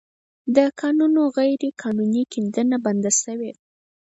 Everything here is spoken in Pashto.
د کانونو غیرقانوني کیندنه بنده شوې